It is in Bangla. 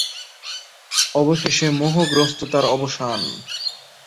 অবশেষে মোহগ্রস্ততার অবসান।